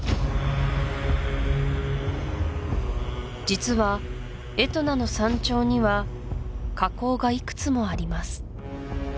実はエトナの山頂には火口がいくつもあります